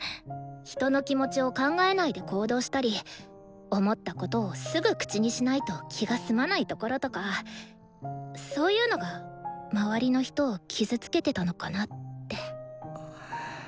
人の気持ちを考えないで行動したり思ったことをすぐ口にしないと気が済まないところとかそういうのが周りの人を傷つけてたのかなって。